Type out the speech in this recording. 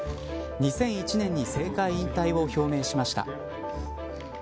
２００１年に政界引退を表明しました。